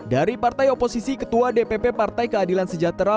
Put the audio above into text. dari partai oposisi ketua dpp partai keadilan sejahtera